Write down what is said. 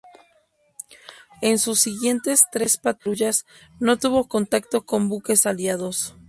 En sus siguientes tres patrullas, no tuvo contacto con buques aliados.